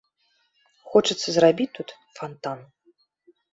Хочацца зрабіць тут фантан.